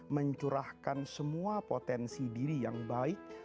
mencurahkan semua potensi diri yang baik